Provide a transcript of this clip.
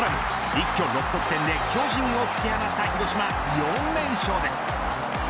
一挙６得点で巨人を突き放した広島４連勝です。